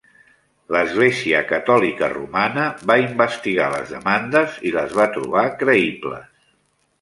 L'Església Catòlica Romana va investigar les demandes i les va trobar creïbles.